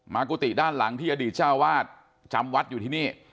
กุฏิด้านหลังที่อดีตเจ้าวาดจำวัดอยู่ที่นี่